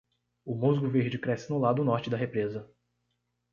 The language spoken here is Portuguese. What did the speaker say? O musgo verde cresce no lado norte da represa.